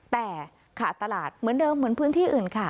แต่ขาดตลาดเหมือนเดิมเหมือนพื้นที่อื่นค่ะ